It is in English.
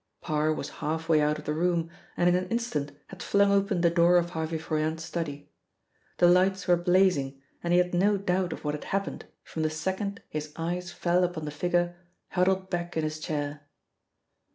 Parr was half way out of the room, and in an instant had flung open the door of Harvey Froyant's study. The lights were blazing, and he had no doubt of what had happened from the second his eyes fell upon the figure huddled back in his chair.